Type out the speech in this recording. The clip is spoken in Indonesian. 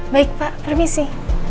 baik pak permisi